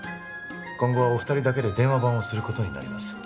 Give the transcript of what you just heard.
今後はお二人だけで電話番をすることになります